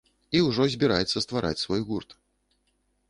І ўжо збіраецца ствараць свой гурт.